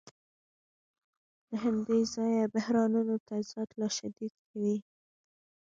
له همدې ځایه بحرانونه تضاد لا شدید کوي